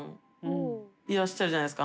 いらっしゃるじゃないですか。